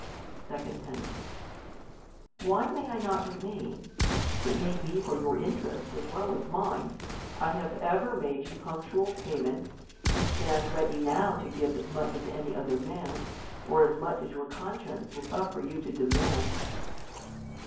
1^ 2d. Ten, Why may I not remain ? It may be for a your interest as well as miner I have ever made you I punctual payment ; and stand ready now to give as 1 much as any other man, or as much as your conscience will suffer you to demand.